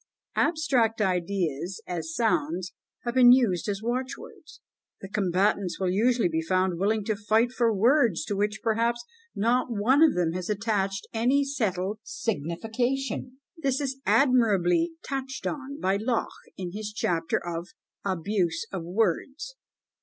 Abstract ideas, as sounds, have been used as watchwords. The combatants will usually be found willing to fight for words to which, perhaps, not one of them has attached any settled signification. This is admirably touched on by Locke, in his chapter of "Abuse of Words."